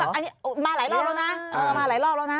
อันนี้มาหลายรอบแล้วนะมาหลายรอบแล้วนะ